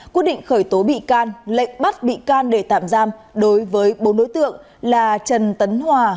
quyết định khởi tố bị can lệnh bắt bị can để tạm giam đối với bốn đối tượng là trần tấn hòa